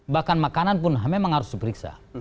bahkan makanan pun memang harus diperiksa